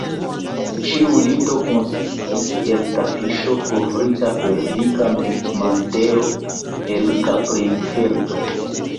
Ĉiu lito konsistis el tapiŝo, kovrita per dika mantelo el kaprinfelto.